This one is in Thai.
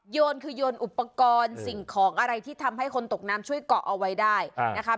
โยนคือโยนอุปกรณ์สิ่งของอะไรที่ทำให้คนตกน้ำช่วยเกาะเอาไว้ได้นะคะ